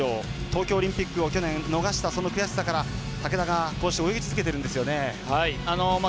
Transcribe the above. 東京オリンピックを去年、逃した悔しさから竹田がこうして泳ぎ続けているんですよね。